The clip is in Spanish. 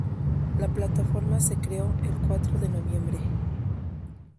La plataforma se creó el cuatro de Noviembre